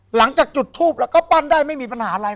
หลังจากจุดทูปแล้วก็ปั้นได้ไม่มีปัญหาอะไร